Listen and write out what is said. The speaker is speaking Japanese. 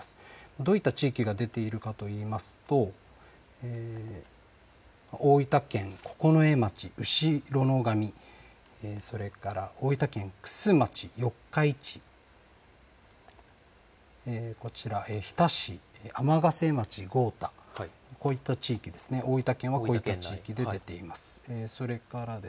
どういった地域が出ているかといいますと大分県九重町、後野上、それから大分県玖珠町四日市、大分県日田市天瀬町合田、大分県はこういった地域で出ています。